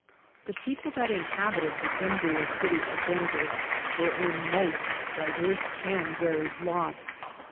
The people that inhabited the embryo city of Denver were a most diverse and varied lot.